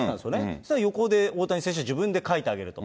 そうしたら横で大谷選手が自分で書いてあげると。